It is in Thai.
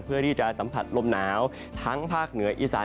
เพื่อที่จะสัมผัสลมหนาวทั้งภาคเหนืออีสาน